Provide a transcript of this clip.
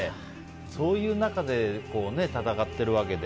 そういう中で、戦っているわけで。